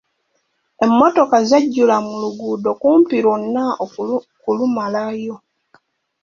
Emmotoka zajjula mu luguudo kumpi lwonna kulumalayo.